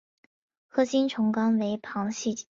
核形虫纲为旁系群。